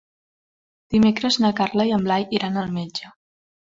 Dimecres na Carla i en Blai iran al metge.